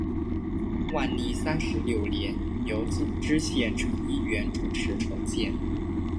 万历三十六年由知县陈一元主持重建。